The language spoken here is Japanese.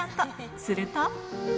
すると。